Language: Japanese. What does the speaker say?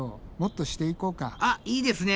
あっいいですね。